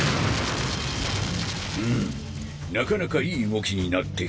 うむなかなかいい動きになってきた。